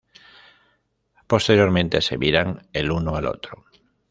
Posteriormente se miran el uno al otro.